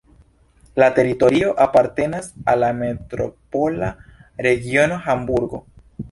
La teritorio apartenas al la metropola regiono Hamburgo.